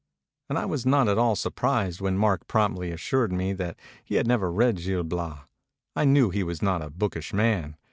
And I was not at all surprised when Mark promptly assured me that he had never read 'Gil Bias'; I knew he was not a bookish man.